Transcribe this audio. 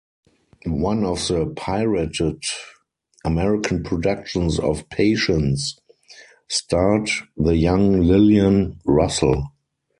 One of the "pirated" American productions of "Patience" starred the young Lillian Russell.